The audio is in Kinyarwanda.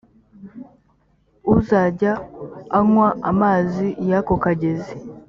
uzajya unywa amazi y ako kagezi